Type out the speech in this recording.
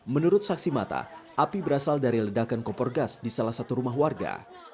menurut saksi mata api berasal dari ledakan kompor gas di salah satu rumah warga